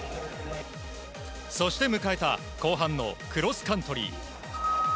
そして、迎えた後半のクロスカントリー。